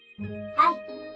はい。